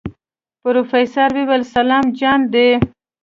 پروفيسر وويل سلام جان دی.